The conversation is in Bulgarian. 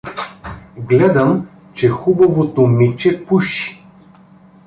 Гледам, че хубавото Миче — пуши.